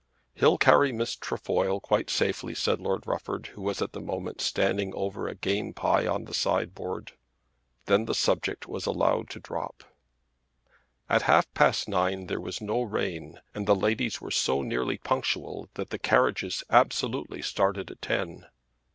"He'll carry Miss Trefoil quite safely," said Lord Rufford who was at the moment standing over a game pie on the sideboard. Then the subject was allowed to drop. At half past nine there was no rain, and the ladies were so nearly punctual that the carriages absolutely started at ten.